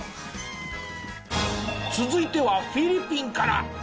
続いてはフィリピンから。